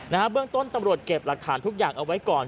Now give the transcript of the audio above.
เบื้องต้นตำรวจเก็บหลักฐานทุกอย่างเอาไว้ก่อน